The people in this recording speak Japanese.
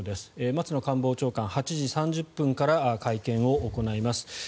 松野官房長官、８時３０分から会見を行います。